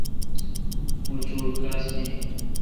مہ چوٹ کلاس می این۔